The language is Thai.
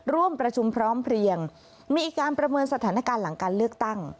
ร่วมประชุมพร้อมเพลียงมีการประเมินสถานการณ์หลังการเลือกตั้ง